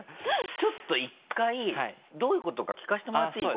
ちょっと１回どういうことか聞かせてもらっていい？